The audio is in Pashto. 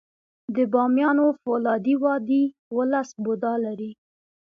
د بامیانو فولادي وادي اوولس بودا لري